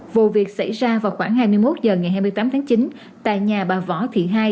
vụ việc xảy ra vào khoảng hai mươi một h ngày hai mươi tám tháng chín tại nhà bà võ thị hai